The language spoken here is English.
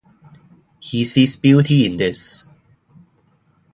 He sees beauty in this.